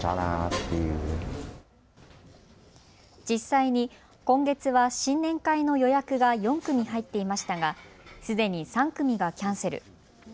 実際に今月は新年会の予約が４組入っていましたがすでに３組がキャンセル。